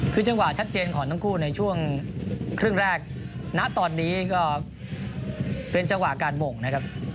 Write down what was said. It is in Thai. คือจังหวะชัดเจนของทั้งคู่ในช่วงครึ่งแรกณตอนนี้ก็เป็นจังหวะการบ่งนะครับ